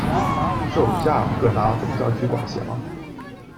受加尔各答总教区管辖。